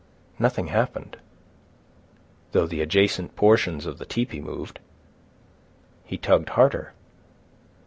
Nothing happened, though the adjacent portions of the tepee moved. He tugged harder.